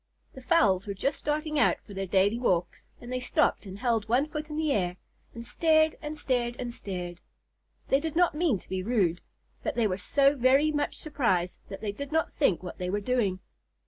The fowls were just starting out for their daily walks, and they stopped and held one foot in the air, and stared and stared and stared. They did not mean to be rude, but they were so very much surprised that they did not think what they were doing.